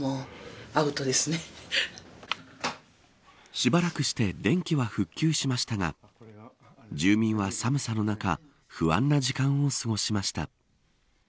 しばらくして電気は復旧しましたが住民は寒さの中不安な時間を過ごしました。